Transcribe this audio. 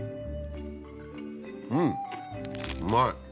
うんうまい。